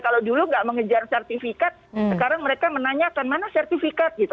kalau dulu nggak mengejar sertifikat sekarang mereka menanyakan mana sertifikat gitu